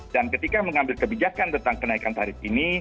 ketika mengambil kebijakan tentang kenaikan tarif ini